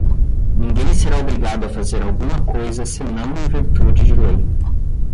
ninguém será obrigado a fazer alguma coisa senão em virtude de lei